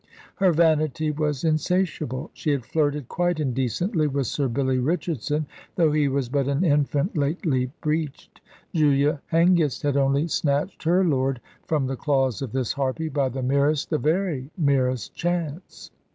Her vanity was insatiable. She had flirted quite indecently with Sir Billy Richardson, though he was but an infant lately breeched. Julia Hengist had only snatched her lord from the claws of this harpy by the merest, the very merest, chance.